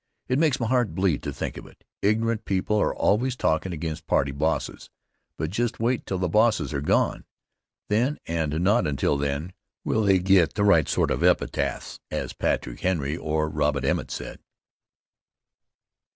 It makes my heart bleed to think of it. Ignorant people are always talkin' against party bosses, but just wait till the bosses are gone! Then, and not until then, will they get the right sort of epitaphs, as Patrick Henry or Robert Emmet said.